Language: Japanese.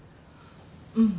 うん。